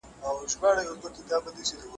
د حج په مرستې سره مي خپلي کوڅې وکتلې.